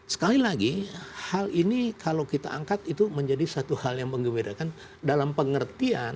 sekali lagi hal ini kalau kita angkat itu menjadi satu hal yang mengembirakan dalam pengertian